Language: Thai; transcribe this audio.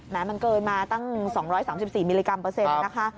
มันเกินมาตั้ง๒๓๔มิลลิกรัมเปอร์เซ็นต์นะคะ